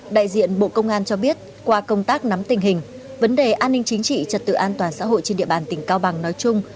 đại diện bộ công an cho biết qua công tác nắm tình hình vấn đề an ninh chính trị trật tự an toàn xã hội trên địa bàn tỉnh cao bằng nói chung